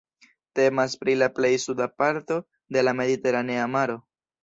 Temas pri la plej suda parto de la Mediteranea Maro.